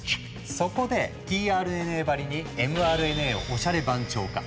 そこでｔＲＮＡばりにｍＲＮＡをおしゃれ番長化。